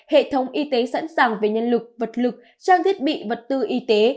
hệ thống y tế sẵn sàng về nhân lực vật lực trang thiết bị vật tư y tế